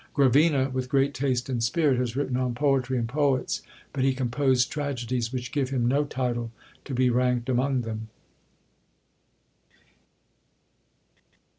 Gravina, with great taste and spirit, has written on poetry and poets, but he composed tragedies which give him no title to be ranked among them.